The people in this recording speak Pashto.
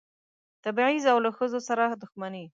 تبعیض او له ښځو سره دښمني.